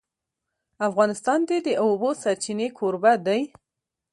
افغانستان د د اوبو سرچینې کوربه دی.